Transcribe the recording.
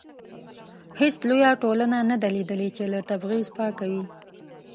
هیڅ لویه ټولنه نه ده لیدلې چې له تبعیض پاکه وي.